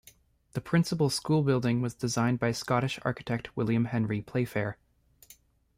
The principal school building was designed by Scottish architect William Henry Playfair.